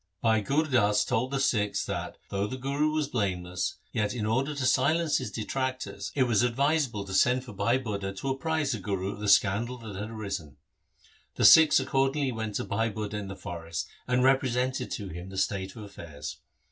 1 Bhai Gur Das told the Sikhs that, though the Guru was blameless, yet in order to silence his detractors it was advisable to send for Bhai Budha to apprise the Guru of the scandal that had arisen. The Sikhs accordingly went to Bhai Budha in the forest and represented to him the state of affairs.